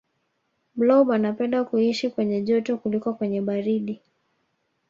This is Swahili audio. blob anapenda kuishi kwenye joto kuliko kwenye baridi